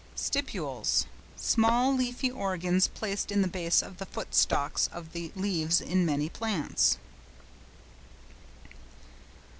STIPULES.—Small leafy organs placed at the base of the footstalks of the leaves in many plants.